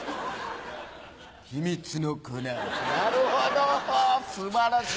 秘密の粉なるほど素晴らしい。